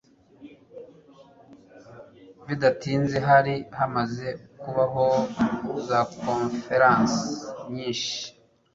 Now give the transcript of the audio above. Bidatinze hari hamaze kubaho za Konferansi nyinshi.